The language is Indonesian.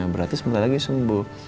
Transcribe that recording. berarti sebentar lagi sembuh